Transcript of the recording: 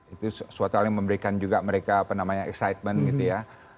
itu suatu hal yang memberikan juga mereka apa namanya excitement gitu ya